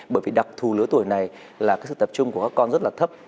bởi vì đặc thù lứa tuổi này là cái sự tập trung của các con rất là thấp